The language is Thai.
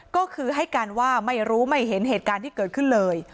ก็คือให้การว่าไม่รู้ไม่เห็นเหตุการณ์ที่เกิดขึ้นเลย